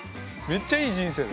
めっちゃいい人生だよ。